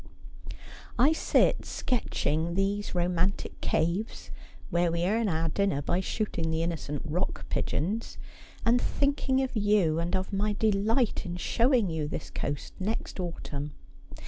' I sit sketching these romantic caves — where we earn our dinner by shooting the innocent rock pigeons — and thinking of you, and of my delight in showing you this coast next autumn.